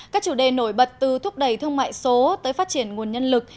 các chủ đề nổi bật từ thúc đẩy thương mại số tới phát triển nguồn nhân lực